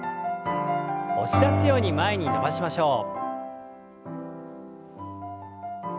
押し出すように前に伸ばしましょう。